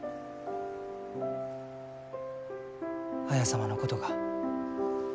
綾様のことが。